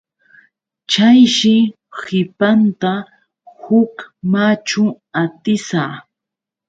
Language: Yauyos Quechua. Chayshi qipanta huk machu atisa.